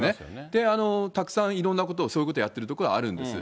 で、たくさんいろんなことを、そういうことやってるところはあるんです。